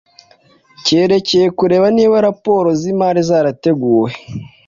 Cyerekeye kureba niba raporo z imari zarateguwe